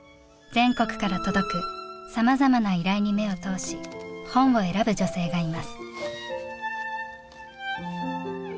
全国から届くさまざまな依頼に目を通し本を選ぶ女性がいます。